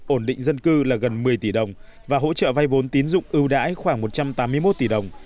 ổn định dân cư là gần một mươi tỷ đồng và hỗ trợ vay vốn tín dụng ưu đãi khoảng một trăm tám mươi một tỷ đồng